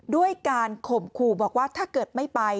ด้วยการข่มขู่บอกว่าถ้าเกิดไม่ไป